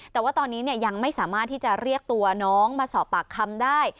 แต่ว่าตอนนี้ยังไม่สามารถที่จะเรียกตัวน้องมาสอบปากคำได้